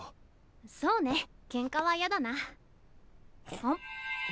そうねケンカはいやだな。